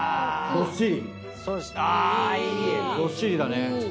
どっしりだね。